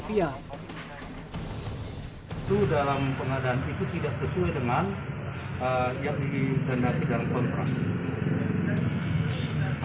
itu dalam pengadaan itu tidak sesuai dengan yang dihendaki dalam kontrak